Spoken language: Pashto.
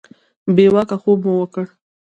بې واکه خوب مو وکړ.